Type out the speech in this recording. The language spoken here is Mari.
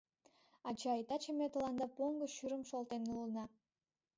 — Ачай, таче ме тыланда поҥго шӱрым шолтен улына!